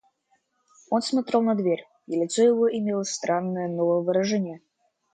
Он смотрел на дверь, и лицо его имело странное новое выражение.